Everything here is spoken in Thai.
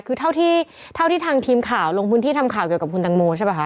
คือเท่าที่ทางทีมข่าวลงพื้นที่ทำข่าวเกี่ยวกับคุณตังโมใช่ป่ะคะ